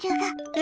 え！